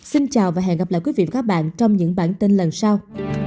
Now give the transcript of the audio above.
xin chào và hẹn gặp lại quý vị và các bạn trong những bản tin lần sau